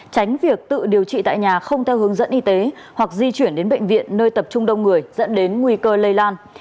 tránh việc tự điều trị tại nhà không theo hướng dẫn y tế hoặc di chuyển đến bệnh viện nơi tập trung đông người dẫn đến nguy cơ lây lan